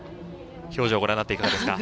表情ご覧になっていかがですか？